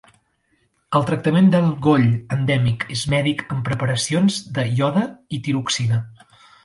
El tractament del goll endèmic és mèdic amb preparacions de iode i tiroxina.